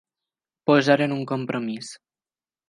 Posar en un compromís.